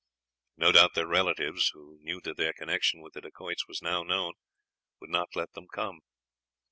No doubt their relatives, who knew that their connection with the Dacoits was now known, would not let them come.